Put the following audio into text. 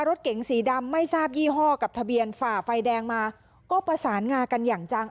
รถเก๋งสีดำไม่ทราบยี่ห้อกับทะเบียนฝ่าไฟแดงมาก็ประสานงากันอย่างจัง